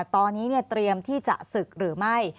ตอนนี้เตรียมที่จะศึกหรือไม่